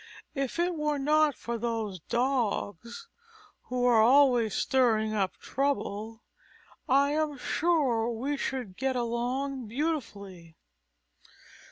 "If it were not for those Dogs who are always stirring up trouble, I am sure we should get along beautifully.